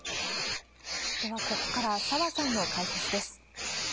では、ここから、澤さんの解説です。